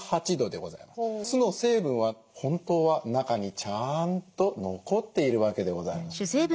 酢の成分は本当は中にちゃんと残っているわけでございます。